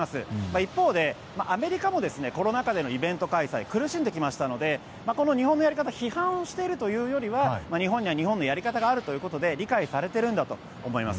一方でアメリカもコロナ禍でのイベント開催苦しんできたので日本のやり方を批判しているというよりは日本には日本のやり方があるということで理解されているんだと思います。